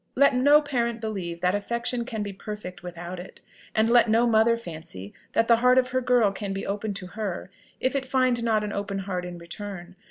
Let no parent believe that affection can be perfect without it; and let no mother fancy that the heart of her girl can be open to her if it find not an open heart in return.